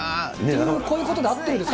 こういうことで合ってるんですか？